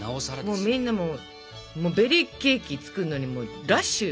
みんなもうベリーケーキ作るのにラッシュよ。